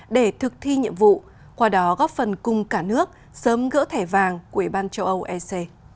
để thực thi nhiệm vụ qua đó góp phần cùng cả nước sớm gỡ thẻ vàng của ủy ban châu âu ec